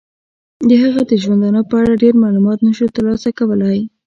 د هغه د ژوندانه په اړه ډیر معلومات نشو تر لاسه کولای.